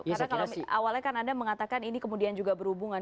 karena awalnya kan anda mengatakan ini kemudian juga berhubungan